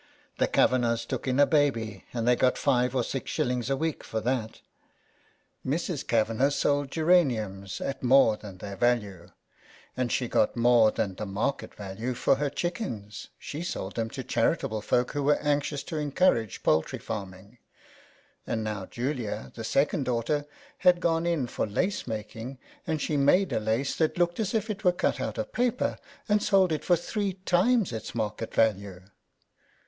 The Kavanaghs took in a baby and they got 5s. or 6s. a week for that. Mrs. Kavanagh sold geraniums at more than their value, and she got more than the market value for her chickens — she sold them to charitable folk who were anxious to encourage poultry farming ; and now Julia, the second daughter, had gone in for lace making, and she made a lace that looked as if it were cut out of paper, and sold it for three times its market value.